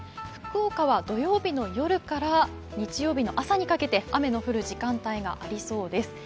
福岡は土曜日の夜から日曜日の朝にかけて雨の降る時間帯がありそうです。